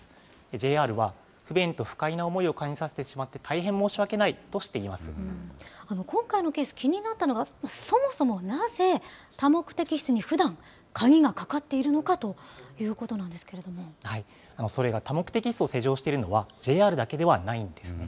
ＪＲは不便と不快な思いを感じさせてしまって、大変申し訳ないと今回のケース、気になったのが、そもそもなぜ、多目的室にふだん、鍵がかかっているのかといそれが多目的室を施錠しているのはＪＲだけではないんですね。